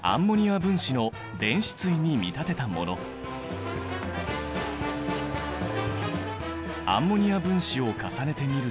実はこれアンモニア分子を重ねてみると。